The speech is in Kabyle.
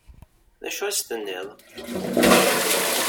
D acu i as-tenniḍ?